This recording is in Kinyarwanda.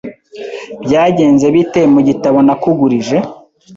Byagenze bite mu gitabo nakugurije?